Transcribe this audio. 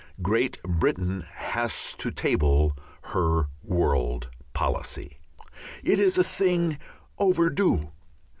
Great Britain has to table her world policy. It is a thing overdue.